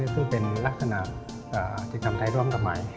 ก็เป็นลักษณะจิตรกรรมไทยร่วมกับใหม่